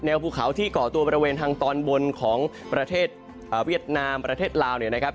ภูเขาที่ก่อตัวบริเวณทางตอนบนของประเทศเวียดนามประเทศลาวเนี่ยนะครับ